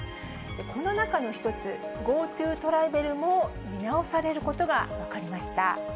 この中の一つ、ＧｏＴｏトラベルも見直されることが分かりました。